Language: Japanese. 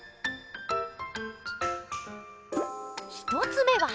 １つ目は。